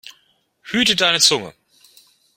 Hüte deine Zunge!